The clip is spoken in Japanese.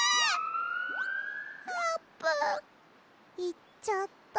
いっちゃった。